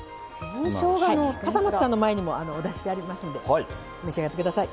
笠松さんの前にもお出ししてありますんで召し上がってください。